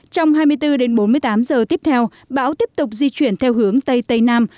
trong hai mươi bốn đến bốn mươi tám giờ tiếp theo bão tiếp tục di chuyển theo hướng tây tây nam